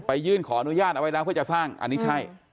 ยื่นขออนุญาตเอาไว้แล้วเพื่อจะสร้างอันนี้ใช่